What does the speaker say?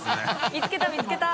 見つけた見つけた！